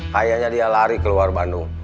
kayaknya dia lari ke luar bandung